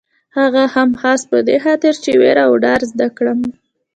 هغه هم خاص په دې خاطر چې وېره او ډار زده کړم.